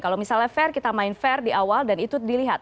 kalau misalnya fair kita main fair di awal dan itu dilihat